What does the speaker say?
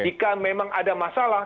jika memang ada masalah